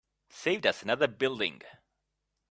Saved us another building.